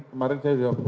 kemarin saya sudah me